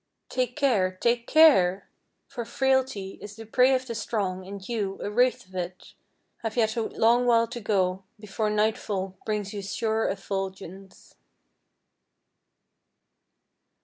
Take care, take care! for frailty Is the prey of the strong, and you, a wraith of it, Have yet a long while to go before nightfall Brings you to sure effulgence!